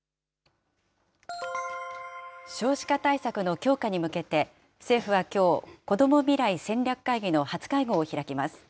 少子化対策の強化に向けて、政府はきょう、こども未来戦略会議の初会合を開きます。